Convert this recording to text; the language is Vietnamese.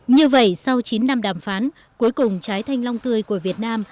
như vậy sau chín năm đàm phán cuối cùng trái thanh long tươi của việt nam